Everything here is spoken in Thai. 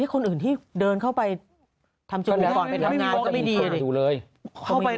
คนอื่นที่เดินเข้าไปทำจมูกก่อนไปทำงานก็ไม่ดี